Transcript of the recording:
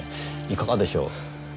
いかがでしょう？